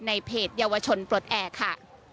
ในเพจเยาวชนปลดแอบค่ะ